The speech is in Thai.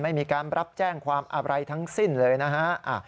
ไม่มีการรับแจ้งความอะไรทั้งสิ้นเลยนะฮะ